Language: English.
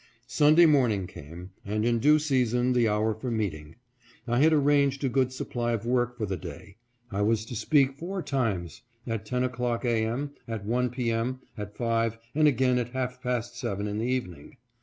Sunday morning came, and in due season the hour for meeting. I had arranged a good supply of work for the day. I was to speak four times : at ten o'clock a. m., at one p. m., at five, and again at half past seven in the evening.